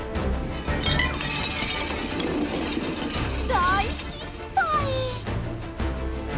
大失敗！